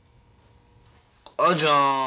お母ちゃん。